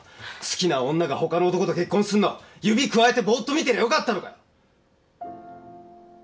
好きな女が他の男と結婚すんの指くわえてぼーっと見てりゃよかったのかよ。